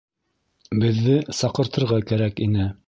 Беҙҙе саҡыртырға кәрәк ине.